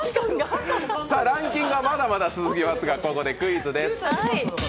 さぁ、ランキングはまだまだ続きますがここでクイズです。